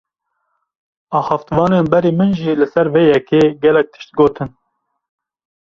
Axaftvanên berî min jî li ser vê yekê, gelek tişt gotin